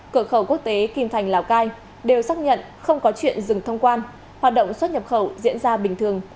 cửa khẩu quốc tế kim thành lào cai đều xác nhận không có chuyện dừng thông quan hoạt động xuất nhập khẩu diễn ra bình thường